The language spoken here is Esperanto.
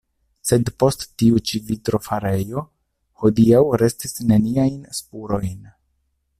Sed post tiu ĉi vitrofarejo hodiaŭ restis neniajn spurojn.